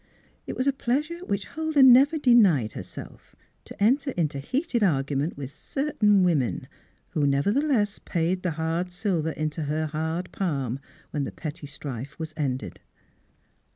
It was a pleasure which Huldah never denied herself to enter into heated argument with certain women, who never theless paid the hard silver into her hard palm when the petty strife was ended.